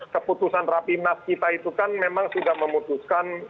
keputusan rapi mas kita itu kan memang sudah memutuskan